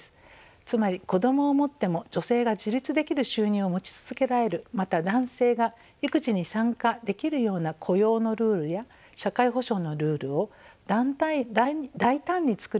つまり子どもを持っても女性が自立できる収入を持ち続けられるまた男性が育児に参加できるような雇用のルールや社会保障のルールを大胆につくり直す政策です。